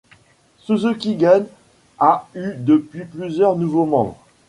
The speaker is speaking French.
Suzuki-gun a eu depuis plusieurs nouveaux membres.